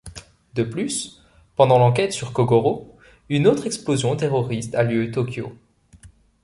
De plus, pendant l'enquête sur Kogoro, une autre explosion terroriste a lieu Tokyo.